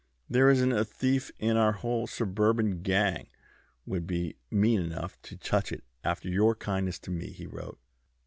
'There isn't a thief in our whole suburban gang would be mean enough to touch it after your kindness to me,' he wrote."